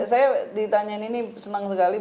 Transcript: saya ditanyain ini senang sekali